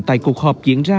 tại cuộc họp diễn ra